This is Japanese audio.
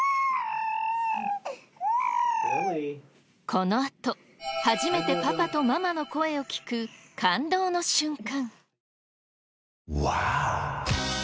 このあと初めてパパとママの声を聞く感動の瞬間。